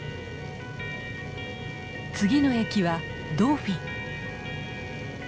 次の駅はドーフィン。